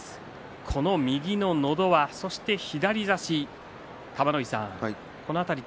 この右ののど輪、そして左差し玉ノ井さん